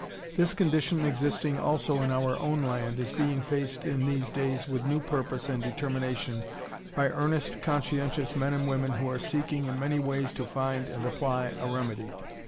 This condition existing also in our own land is being faced in these days with new purpose and determination by earnest, conscientious men and women who are seeking in many ways to find and apply a remedy.